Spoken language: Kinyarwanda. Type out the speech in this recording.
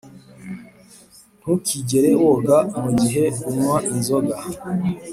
ntukigere woga mugihe unywa inzoga.